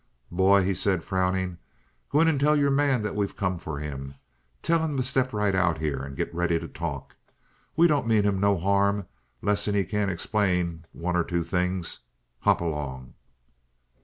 "Boy," he said, frowning, "go in and tell your man that we've come for him. Tell him to step right out here and get ready to talk. We don't mean him no harm less'n he can't explain one or two things. Hop along!"